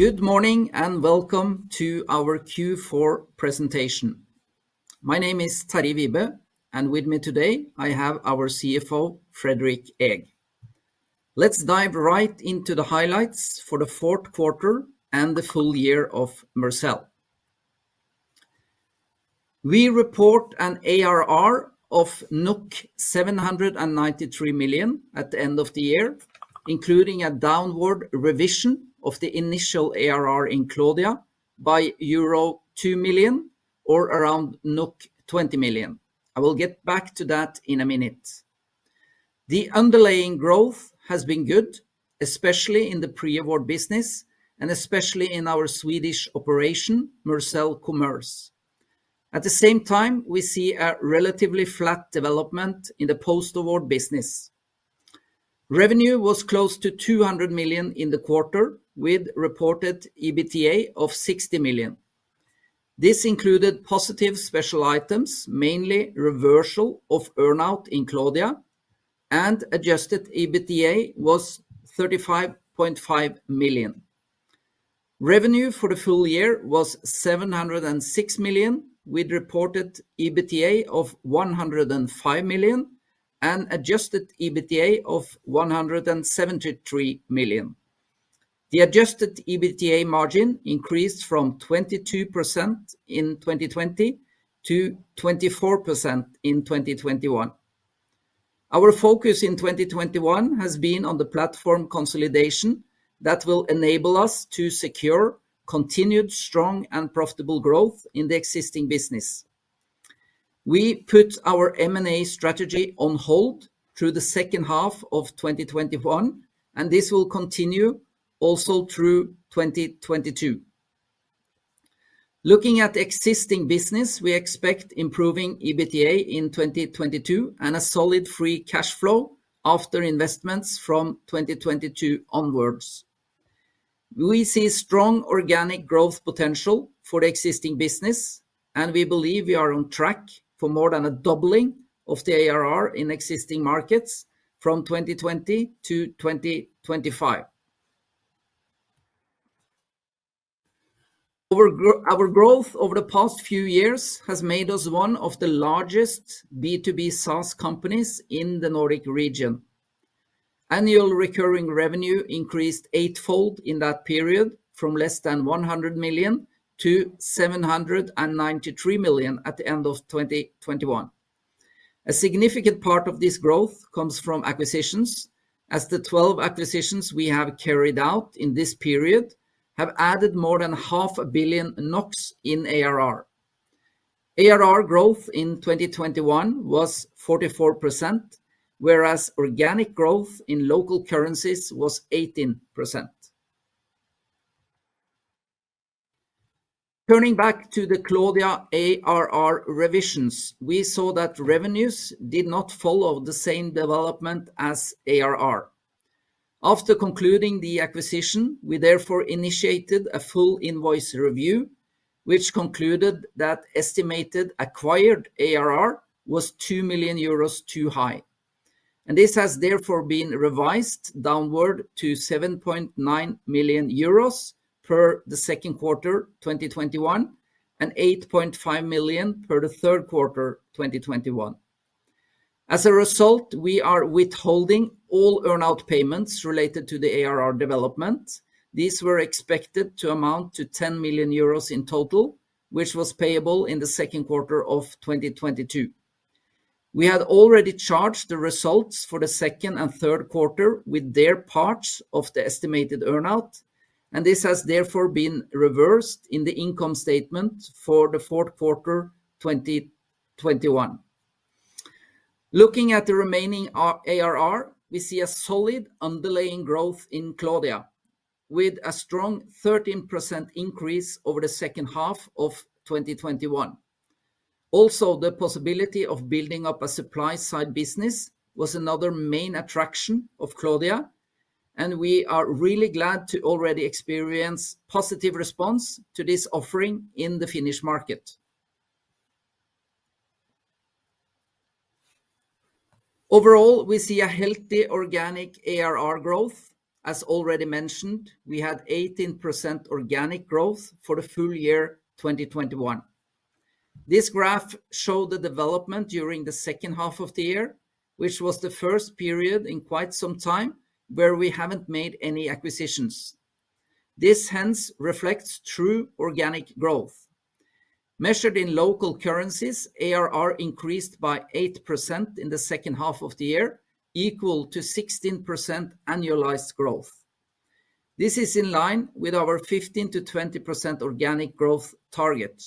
Good morning and welcome to our Q4 presentation. My name is Terje Wibe, and with me today I have our CFO, Fredrik Eeg. Let's dive right into the highlights for the fourth quarter and the full year of Mercell. We report an ARR of 793 million at the end of the year, including a downward revision of the initial ARR in Cloudia by euro 2 million or around 20 million. I will get back to that in a minute. The underlying growth has been good, especially in the pre-award business, and especially in our Swedish operation, Mercell Commerce. At the same time, we see a relatively flat development in the post-award business. Revenue was close to 200 million in the quarter, with reported EBITDA of 60 million. This included positive special items, mainly reversal of earn-out in Cloudia, and adjusted EBITDA was 35.5 million. Revenue for the full year was 706 million, with reported EBITDA of 105 million and adjusted EBITDA of 173 million. The adjusted EBITDA margin increased from 22% in 2020 to 24% in 2021. Our focus in 2021 has been on the platform consolidation that will enable us to secure continued strong and profitable growth in the existing business. We put our M&A strategy on hold through the second half of 2021, and this will continue also through 2022. Looking at existing business, we expect improving EBITDA in 2022 and a solid free cash flow after investments from 2022 onwards. We see strong organic growth potential for the existing business, and we believe we are on track for more than a doubling of the ARR in existing markets from 2020 to 2025. Our growth over the past few years has made us one of the largest B2B SaaS companies in the Nordic region. Annual recurring revenue increased eightfold in that period, from less than 100 million to 793 million at the end of 2021. A significant part of this growth comes from acquisitions, as the 12 acquisitions we have carried out in this period have added more than half a billion NOK in ARR. ARR growth in 2021 was 44%, whereas organic growth in local currencies was 18%. Turning back to the Cloudia ARR revisions, we saw that revenues did not follow the same development as ARR. After concluding the acquisition, we therefore initiated a full invoice review, which concluded that estimated acquired ARR was 2 million euros too high. This has therefore been revised downward to 7.9 million euros per the second quarter 2021 and 8.5 million per the third quarter 2021. As a result, we are withholding all earn-out payments related to the ARR development. These were expected to amount to 10 million euros in total, which was payable in the second quarter of 2022. We had already charged the results for the second and third quarter with their parts of the estimated earn-out, and this has therefore been reversed in the income statement for the fourth quarter 2021. Looking at the remaining ARR, we see a solid underlying growth in Cloudia, with a strong 13% increase over the second half of 2021. Also, the possibility of building up a supply-side business was another main attraction of Cloudia, and we are really glad to already experience positive response to this offering in the Finnish market. Overall, we see a healthy organic ARR growth. As already mentioned, we had 18% organic growth for the full year 2021. This graph show the development during the second half of the year, which was the first period in quite some time where we haven't made any acquisitions. This hence reflects true organic growth. Measured in local currencies, ARR increased by 8% in the second half of the year, equal to 16% annualized growth. This is in line with our 15%-20% organic growth target.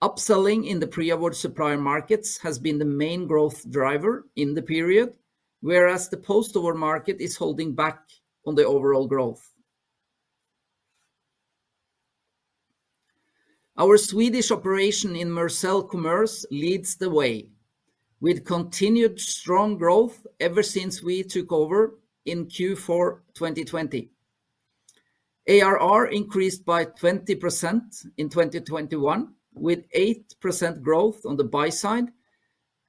Upselling in the pre-award supplier markets has been the main growth driver in the period, whereas the post-award market is holding back on the overall growth. Our Swedish operation in Mercell Commerce leads the way, with continued strong growth ever since we took over in Q4 2020. ARR increased by 20% in 2021, with 8% growth on the buy side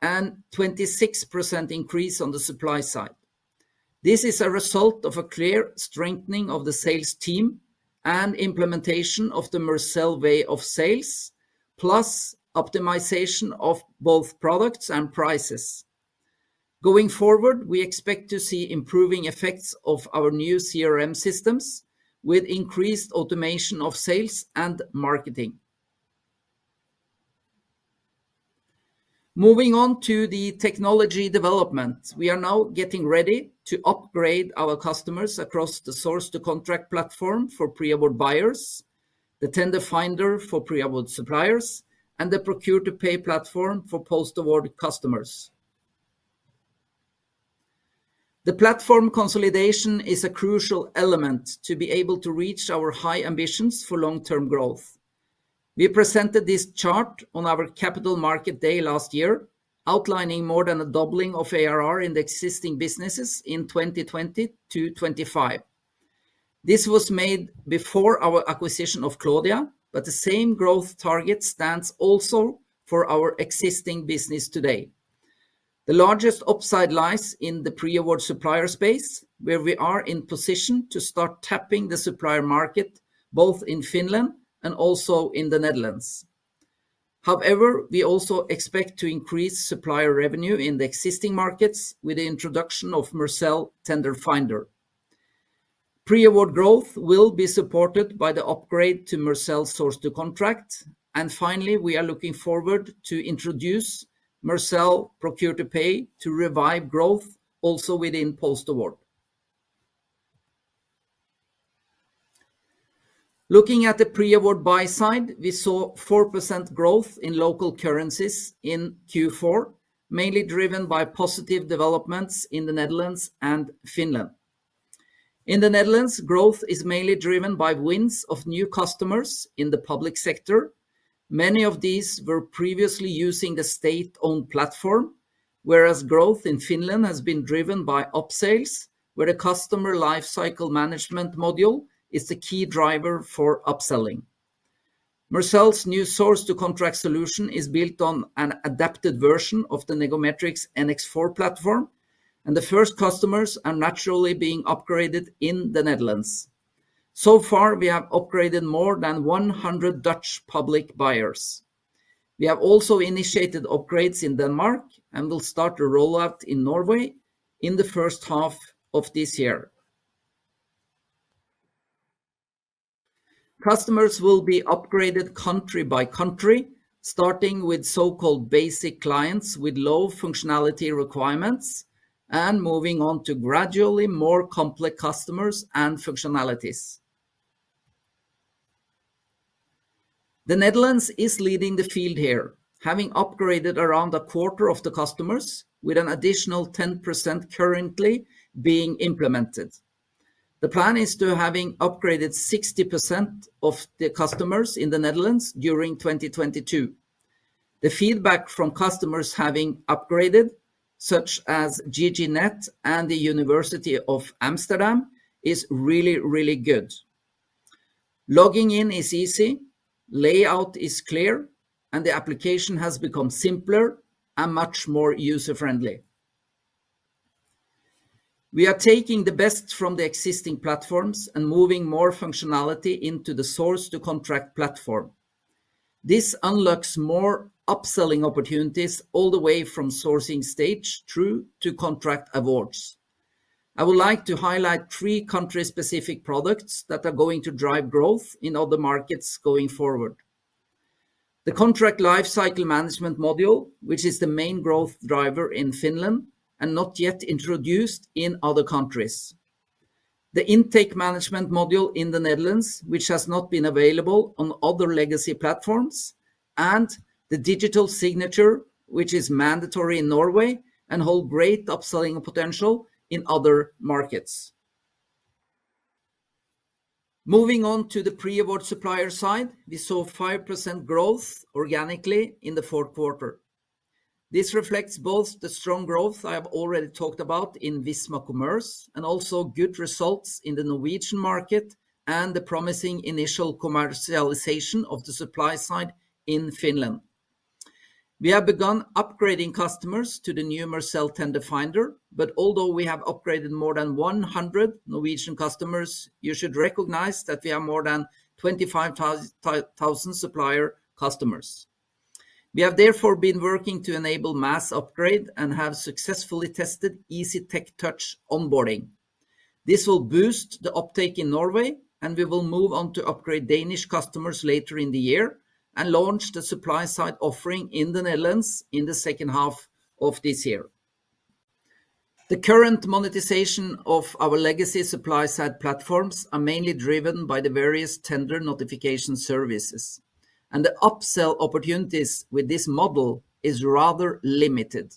and 26% increase on the supply side. This is a result of a clear strengthening of the sales team and implementation of the Mercell way of sales, plus optimization of both products and prices. Going forward, we expect to see improving effects of our new CRM systems with increased automation of sales and marketing. Moving on to the technology development. We are now getting ready to upgrade our customers across the source-to-contract platform for pre-award buyers, the Tender Finder for pre-award suppliers, and the procure-to-pay platform for post-award customers. The platform consolidation is a crucial element to be able to reach our high ambitions for long-term growth. We presented this chart on our Capital Market Day last year, outlining more than a doubling of ARR in the existing businesses in 2020 to 2025. This was made before our acquisition of Cloudia, but the same growth target stands also for our existing business today. The largest upside lies in the pre-award supplier space, where we are in position to start tapping the supplier market, both in Finland and also in the Netherlands. However, we also expect to increase supplier revenue in the existing markets with the introduction of Mercell Tender Finder. Pre-award growth will be supported by the upgrade to Mercell Source-to-Contract. Finally, we are looking forward to introduce Mercell Procure-to-Pay to revive growth also within post-award. Looking at the pre-award buy side, we saw 4% growth in local currencies in Q4, mainly driven by positive developments in the Netherlands and Finland. In the Netherlands, growth is mainly driven by wins of new customers in the public sector. Many of these were previously using the state-owned platform, whereas growth in Finland has been driven by up-sales, where the Contract Lifecycle Management module is the key driver for upselling. Mercell's new source-to-contract solution is built on an adapted version of the Negometrix NX4 platform, and the first customers are naturally being upgraded in the Netherlands. So far, we have upgraded more than 100 Dutch public buyers. We have also initiated upgrades in Denmark and will start a rollout in Norway in the first half of this year. Customers will be upgraded country by country, starting with so-called basic clients with low functionality requirements and moving on to gradually more complex customers and functionalities. The Netherlands is leading the field here, having upgraded around a quarter of the customers, with an additional 10% currently being implemented. The plan is to have upgraded 60% of the customers in the Netherlands during 2022. The feedback from customers having upgraded, such as GGNet and the University of Amsterdam, is really, really good. Logging in is easy, layout is clear, and the application has become simpler and much more user-friendly. We are taking the best from the existing platforms and moving more functionality into the source-to-contract platform. This unlocks more upselling opportunities all the way from sourcing stage through to contract awards. I would like to highlight three country-specific products that are going to drive growth in other markets going forward. The Contract Lifecycle Management module, which is the main growth driver in Finland and not yet introduced in other countries. The Intake Management module in the Netherlands, which has not been available on other legacy platforms. The digital signature, which is mandatory in Norway and hold great upselling potential in other markets. Moving on to the pre-award supplier side, we saw 5% growth organically in the fourth quarter. This reflects both the strong growth I have already talked about in Visma Commerce and also good results in the Norwegian market and the promising initial commercialization of the supply side in Finland. We have begun upgrading customers to the new Mercell Tender Finder. Although we have upgraded more than 100 Norwegian customers, you should recognize that we have more than 25,000 supplier customers. We have therefore been working to enable mass upgrade and have successfully tested easy tech touch onboarding. This will boost the uptake in Norway, and we will move on to upgrade Danish customers later in the year and launch the supply side offering in the Netherlands in the second half of this year. The current monetization of our legacy supply side platforms are mainly driven by the various tender notification services, and the upsell opportunities with this model is rather limited.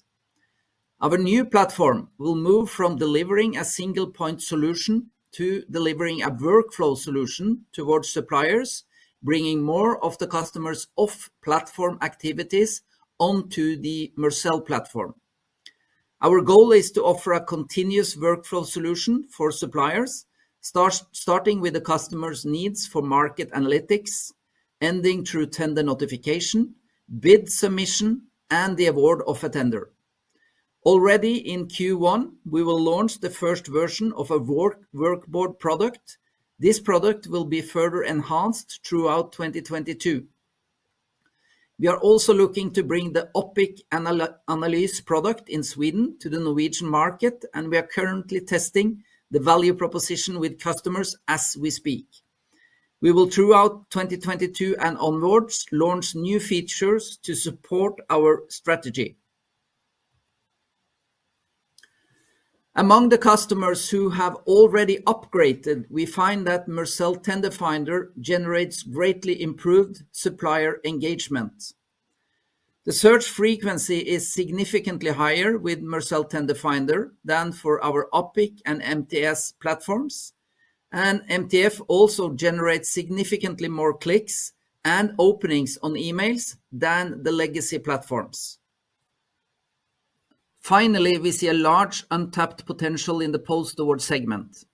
Our new platform will move from delivering a single point solution to delivering a workflow solution towards suppliers, bringing more of the customers off platform activities onto the Mercell platform. Our goal is to offer a continuous workflow solution for suppliers, starting with the customer's needs for market analytics, ending through tender notification, bid submission, and the award of a tender. Already in Q1, we will launch the first version of a workboard product. This product will be further enhanced throughout 2022. We are also looking to bring the Opic Analysis product in Sweden to the Norwegian market, and we are currently testing the value proposition with customers as we speak. We will, throughout 2022 and onwards, launch new features to support our strategy. Among the customers who have already upgraded, we find that Mercell Tender Finder generates greatly improved supplier engagement. The search frequency is significantly higher with Mercell Tender Finder than for our Opic and MTS platforms. MTF also generates significantly more clicks and openings on emails than the legacy platforms. Finally, we see a large untapped potential in the post-award segment.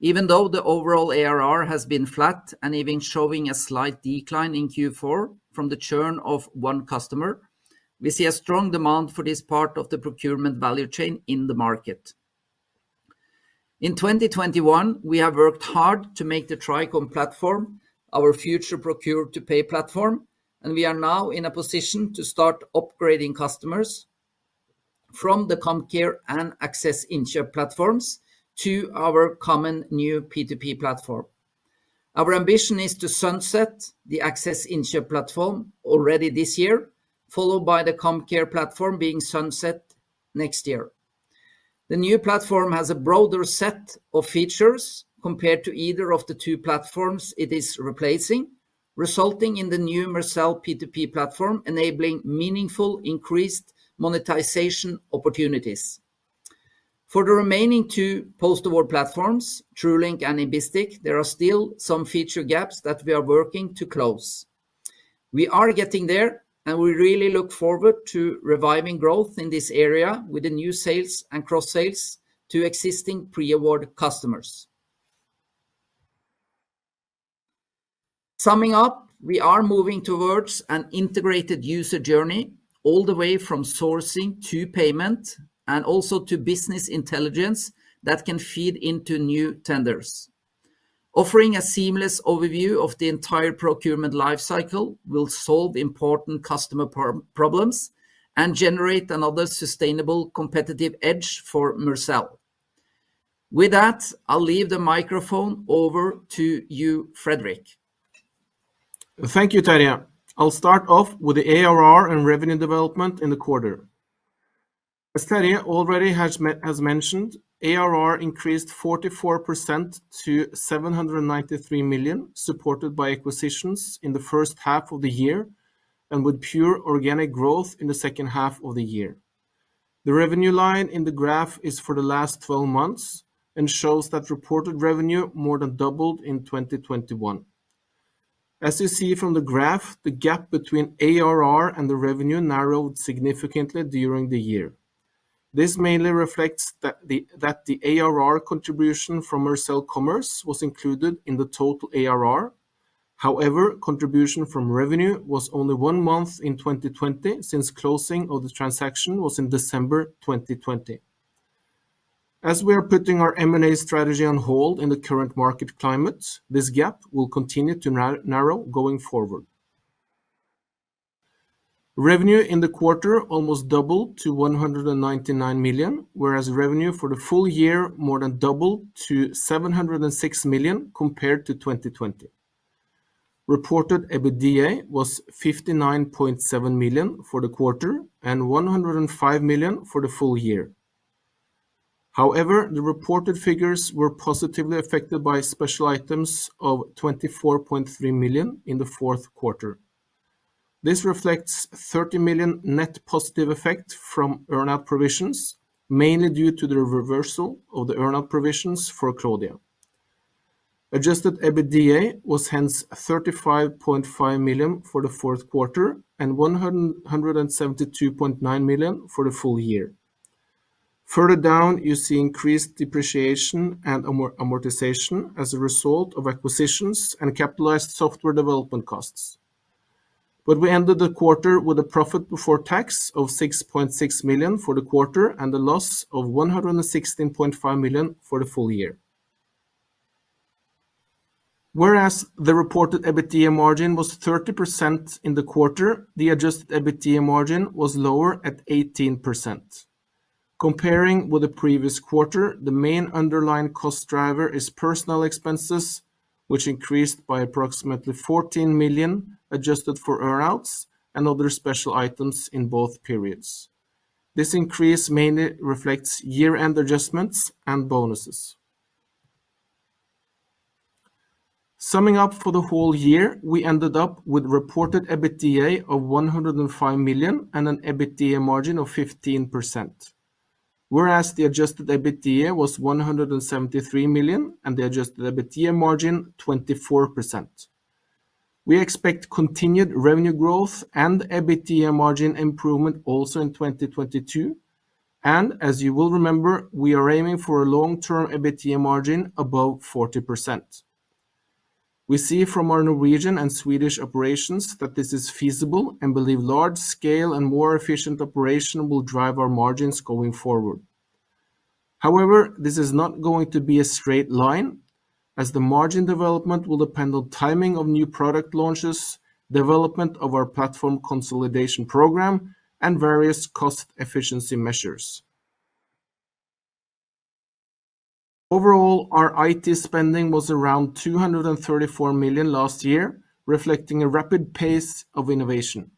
Even though the overall ARR has been flat and even showing a slight decline in Q4 from the churn of one customer, we see a strong demand for this part of the procurement value chain in the market. In 2021, we have worked hard to make the Tricom platform our future procure-to-pay platform, and we are now in a position to start upgrading customers from the Comcare and Aksess Innkjøp platforms to our common new P2P platform. Our ambition is to sunset the Aksess Innkjøp platform already this year, followed by the Comcare platform being sunset next year. The new platform has a broader set of features compared to either of the two platforms it is replacing, resulting in the new Mercell P2P platform, enabling meaningful increased monetization opportunities. For the remaining two post-award platforms, Truelink and Ibistic, there are still some feature gaps that we are working to close. We are getting there, and we really look forward to reviving growth in this area with the new sales and cross sales to existing pre-award customers. Summing up, we are moving towards an integrated user journey all the way from sourcing to payment and also to business intelligence that can feed into new tenders. Offering a seamless overview of the entire procurement lifecycle will solve important customer problems and generate another sustainable competitive edge for Mercell. With that, I'll leave the microphone over to you, Fredrik. Thank you, Terje. I'll start off with the ARR and revenue development in the quarter. As Terje already has mentioned, ARR increased 44% to 793 million, supported by acquisitions in the first half of the year and with pure organic growth in the second half of the year. The revenue line in the graph is for the last 12 months and shows that reported revenue more than doubled in 2021. As you see from the graph, the gap between ARR and the revenue narrowed significantly during the year. This mainly reflects that the ARR contribution from Mercell Commerce was included in the total ARR. However, contribution from revenue was only 1 month in 2020 since closing of the transaction was in December 2020. As we are putting our M&A strategy on hold in the current market climate, this gap will continue to narrow going forward. Revenue in the quarter almost doubled to 199 million, whereas revenue for the full year more than doubled to 706 million compared to 2020. Reported EBITDA was 59.7 million for the quarter and 105 million for the full year. However, the reported figures were positively affected by special items of 24.3 million in the fourth quarter. This reflects 30 million net positive effect from earn-out provisions, mainly due to the reversal of the earn-out provisions for Cloudia. Adjusted EBITDA was hence 35.5 million for the fourth quarter and 172.9 million for the full year. Further down, you see increased depreciation and amortization as a result of acquisitions and capitalized software development costs. We ended the quarter with a profit before tax of 6.6 million for the quarter and a loss of 116.5 million for the full year. Whereas the reported EBITDA margin was 30% in the quarter, the adjusted EBITDA margin was lower at 18%. Comparing with the previous quarter, the main underlying cost driver is personnel expenses, which increased by approximately 14 million, adjusted for earn-outs and other special items in both periods. This increase mainly reflects year-end adjustments and bonuses. Summing up for the whole year, we ended up with reported EBITDA of 105 million and an EBITDA margin of 15%, whereas the adjusted EBITDA was 173 million and the adjusted EBITDA margin 24%. We expect continued revenue growth and EBITDA margin improvement also in 2022. As you will remember, we are aiming for a long-term EBITDA margin above 40%. We see from our Norwegian and Swedish operations that this is feasible and believe large scale and more efficient operation will drive our margins going forward. However, this is not going to be a straight line, as the margin development will depend on timing of new product launches, development of our platform consolidation program, and various cost efficiency measures. Overall, our IT spending was around 234 million last year, reflecting a rapid pace of innovation.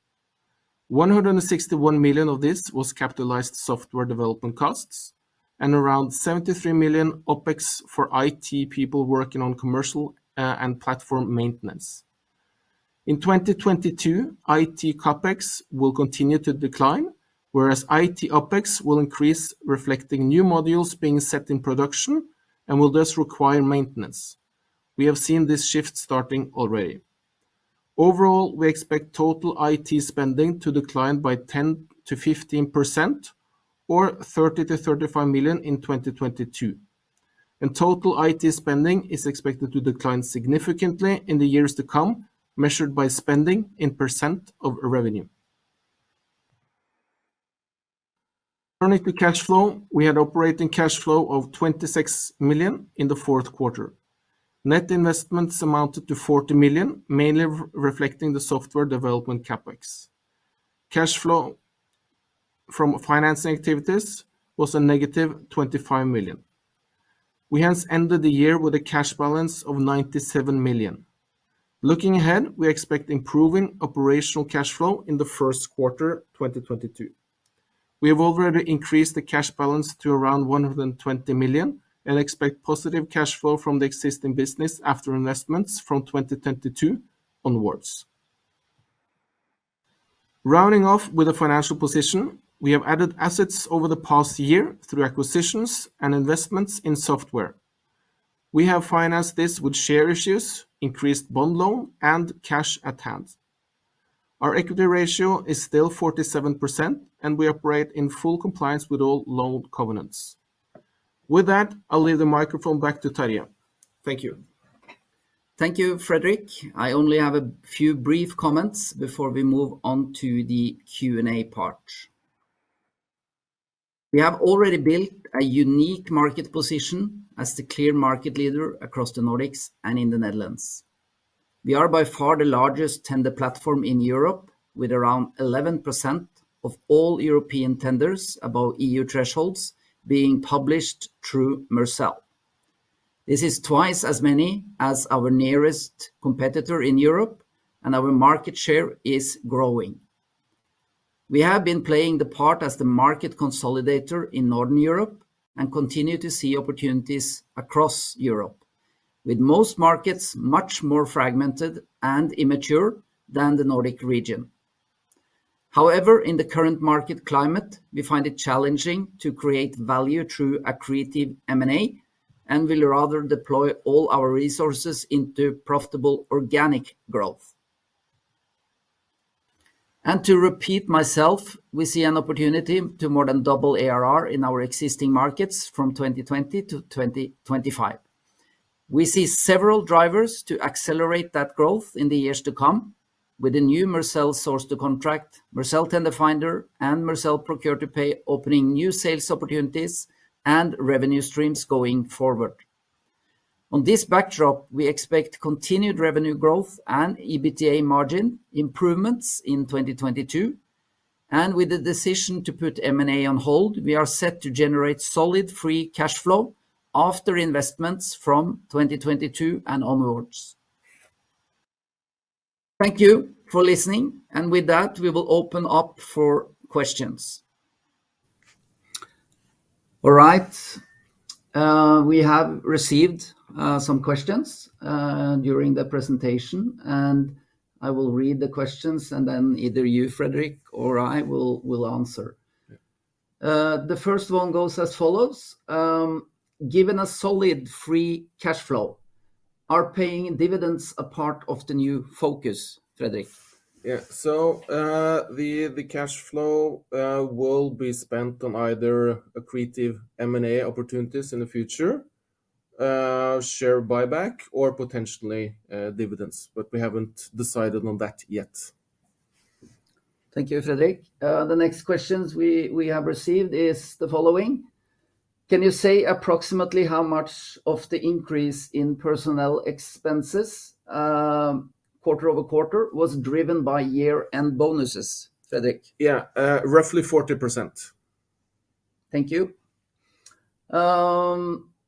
161 million of this was capitalized software development costs, and around 73 million OpEx for IT people working on commercial and platform maintenance. In 2022, IT CapEx will continue to decline, whereas IT OpEx will increase, reflecting new modules being set in production and will thus require maintenance. We have seen this shift starting already. Overall, we expect total IT spending to decline by 10%-15% or 30 million-35 million in 2022, and total IT spending is expected to decline significantly in the years to come, measured by spending in % of revenue. Turning to cash flow, we had operating cash flow of 26 million in the fourth quarter. Net investments amounted to 40 million, mainly reflecting the software development CapEx. Cash flow from financing activities was a negative 25 million. We hence ended the year with a cash balance of 97 million. Looking ahead, we expect improving operational cash flow in the first quarter 2022. We have already increased the cash balance to around 120 million and expect positive cash flow from the existing business after investments from 2022 onwards. Rounding off with the financial position, we have added assets over the past year through acquisitions and investments in software. We have financed this with share issues, increased bond loan, and cash at hand. Our equity ratio is still 47%, and we operate in full compliance with all loan covenants. With that, I'll leave the microphone back to Terje. Thank you. Thank you, Fredrik. I only have a few brief comments before we move on to the Q&A part. We have already built a unique market position as the clear market leader across the Nordics and in the Netherlands. We are by far the largest tender platform in Europe, with around 11% of all European tenders above EU thresholds being published through Mercell. This is twice as many as our nearest competitor in Europe, and our market share is growing. We have been playing the part as the market consolidator in Northern Europe and continue to see opportunities across Europe, with most markets much more fragmented and immature than the Nordic region. However, in the current market climate, we find it challenging to create value through accretive M&A and will rather deploy all our resources into profitable organic growth. To repeat myself, we see an opportunity to more than double ARR in our existing markets from 2020 to 2025. We see several drivers to accelerate that growth in the years to come with the new Mercell Source-to-Contract, Mercell Tender Finder, and Mercell Procure-to-Pay opening new sales opportunities and revenue streams going forward. On this backdrop, we expect continued revenue growth and EBITDA margin improvements in 2022. With the decision to put M&A on hold, we are set to generate solid free cash flow after investments from 2022 and onwards. Thank you for listening. With that, we will open up for questions. All right, we have received some questions during the presentation, and I will read the questions, and then either you, Fredrik, or I will answer. Yeah. The first one goes as follows. Given a solid free cash flow, are paying dividends a part of the new focus, Fredrik? The cash flow will be spent on either accretive M&A opportunities in the future, share buyback, or potentially, dividends, but we haven't decided on that yet. Thank you, Fredrik. The next questions we have received is the following. Can you say approximately how much of the increase in personnel expenses, quarter-over-quarter was driven by year-end bonuses, Fredrik? Yeah, roughly 40%. Thank you.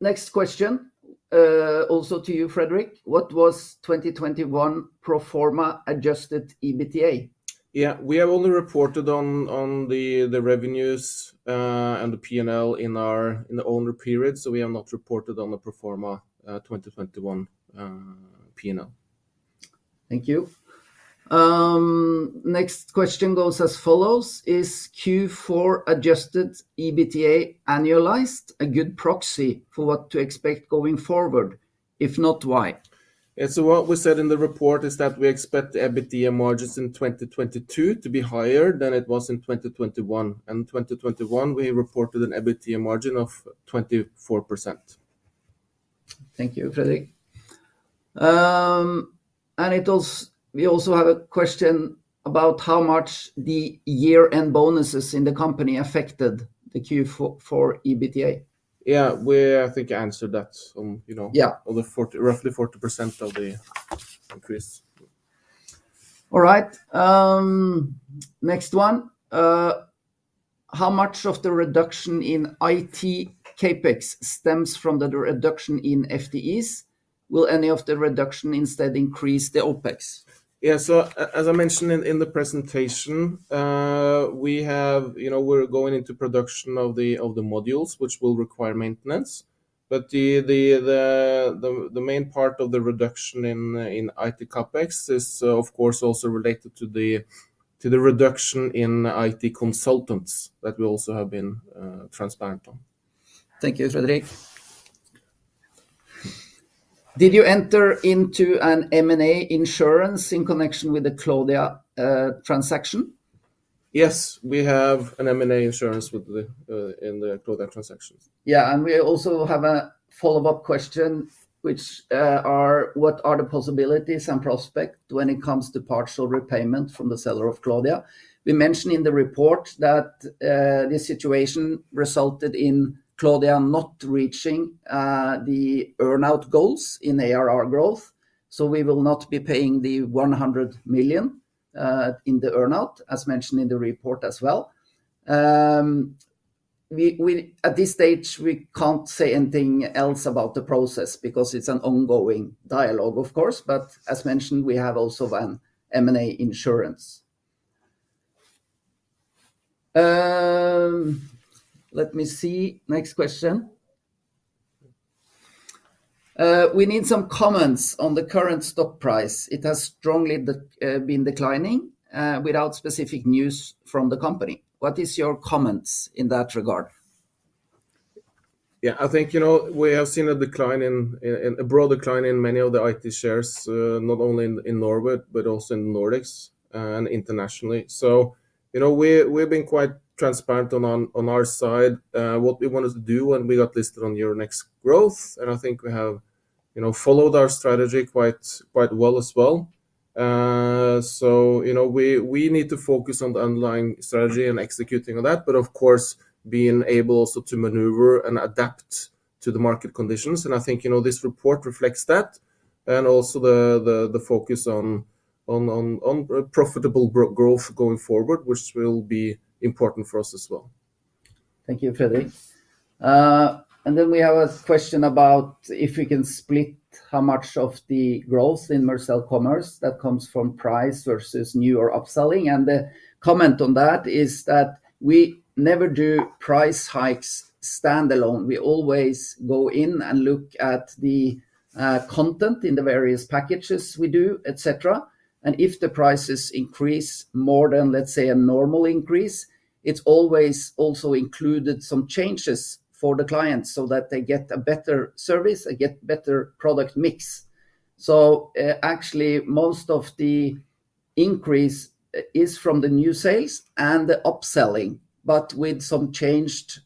Next question, also to you, Fredrik. What was 2021 pro forma adjusted EBITDA? Yeah. We have only reported on the revenues and the P&L in the owner period. We have not reported on the pro forma 2021 P&L. Thank you. Next question goes as follows: Is Q4 adjusted EBITDA annualized a good proxy for what to expect going forward? If not, why? Yeah. What we said in the report is that we expect the EBITDA margins in 2022 to be higher than it was in 2021, and in 2021 we reported an EBITDA margin of 24%. Thank you, Fredrik. We also have a question about how much the year-end bonuses in the company affected the Q4 for EBITDA. Yeah. We, I think, answered that on, you know. Yeah... on the 40, roughly 40% of the increase. All right. Next one. How much of the reduction in IT CapEx stems from the reduction in FTEs? Will any of the reduction instead increase the OpEx? Yeah, as I mentioned in the presentation, we have, you know, we're going into production of the modules, which will require maintenance, but the main part of the reduction in IT CapEx is, of course, also related to the reduction in IT consultants that we also have been transparent on. Thank you, Fredrik. Did you enter into an M&A insurance in connection with the Cloudia transaction? Yes, we have an M&A insurance within the Cloudia transactions. Yeah. We also have a follow-up question, which, what are the possibilities and prospect when it comes to partial repayment from the seller of Cloudia? We mentioned in the report that this situation resulted in Cloudia not reaching the earn-out goals in ARR growth, we will not be paying the 100 million in the earn-out, as mentioned in the report as well. We at this stage can't say anything else about the process because it's an ongoing dialogue of course, as mentioned, we have also an M&A insurance. Let me see. Next question. We need some comments on the current stock price. It has strongly been declining without specific news from the company. What is your comments in that regard? Yeah. I think, you know, we have seen a decline in a broad decline in many of the IT shares, not only in Norway, but also in Nordics and internationally. You know, we've been quite transparent on our side what we wanted to do when we got listed on Euronext Growth, and I think we have, you know, followed our strategy quite well as well. You know, we need to focus on the underlying strategy and executing on that, but of course, being able also to maneuver and adapt to the market conditions, and I think, you know, this report reflects that, and also the focus on profitable growth going forward, which will be important for us as well. Thank you, Fredrik. Then we have a question about if we can split how much of the growth in Mercell Commerce that comes from price versus new or upselling, and the comment on that is that we never do price hikes standalone. We always go in and look at the content in the various packages we do, et cetera, and if the prices increase more than, let's say, a normal increase, it's always also included some changes for the clients so that they get a better service and get better product mix. Actually, most of the increase is from the new sales and the upselling, but with some changed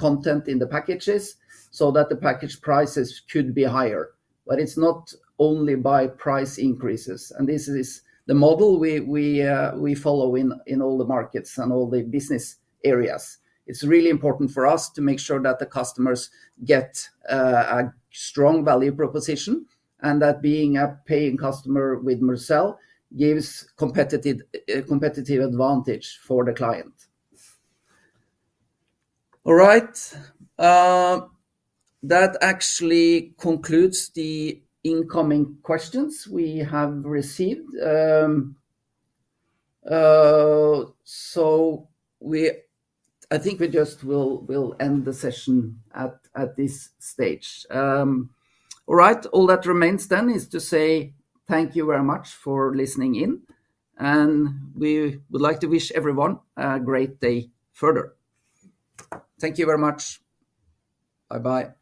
content in the packages so that the package prices could be higher. It's not only by price increases, and this is the model we follow in all the markets and all the business areas. It's really important for us to make sure that the customers get a strong value proposition, and that being a paying customer with Mercell gives competitive advantage for the client. All right. That actually concludes the incoming questions we have received. I think we just will end the session at this stage. All right. All that remains then is to say thank you very much for listening in, and we would like to wish everyone a great day further. Thank you very much. Bye-bye.